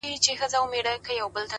زه د دردونو د پاچا په حافظه کي نه يم!!